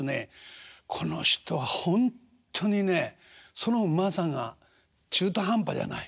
この人はほんとにねそのうまさが中途半端じゃない。